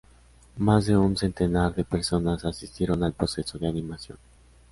Más de un centenar de personas asistieron al proceso de animación.